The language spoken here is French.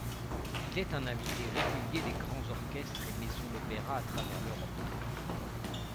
Il est un invité régulier des grands orchestres et maisons d'opéra à travers l'Europe.